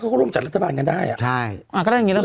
แต่สักแรกเขาก็ได้ร่วมกับรัฐบาล